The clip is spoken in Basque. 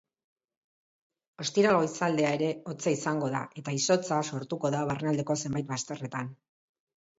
Ostiral goizaldea ere hotza izango da eta izotza sortuko da barnealdeko zenbait bazterretan.